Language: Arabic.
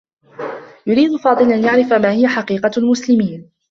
يريد فاضل أن يعرف ما هي حقيقة المسلمين.